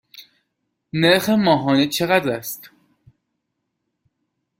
نرخ ماهانه چقدر است؟